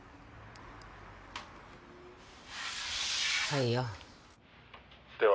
はいよ。